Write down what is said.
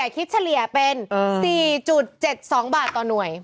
เฉลี่ยเป็น๔๗๒บาทต่อหน่วย